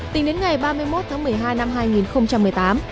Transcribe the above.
tính đến ngày ba mươi một tháng một mươi hai năm hai nghìn một mươi tám